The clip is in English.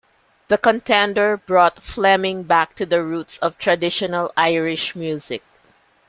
"The Contender" brought Fleming back to the roots of traditional Irish music.